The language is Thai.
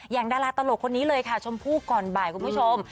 ดาราตลกคนนี้เลยค่ะชมพู่ก่อนบ่ายคุณผู้ชม